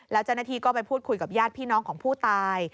แล้วเจ้าหน้าที่ก็ไปพูดคุยกับญาติพี่น้องของผู้ตาย